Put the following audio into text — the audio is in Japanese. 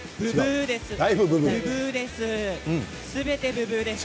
ブブーです。